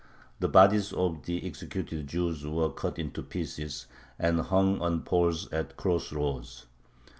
The bodies of the executed Jews were cut into pieces and hung on poles at the cross roads.